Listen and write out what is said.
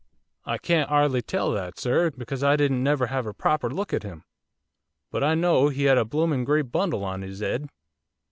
'I can't 'ardly tell you that, sir, because I didn't never have a proper look at him, but I know he had a bloomin' great bundle on 'is 'ead.